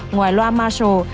ngoài loa marshall